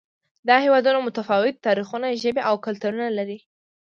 دا هېوادونه متفاوت تاریخونه، ژبې او کلتورونه لري.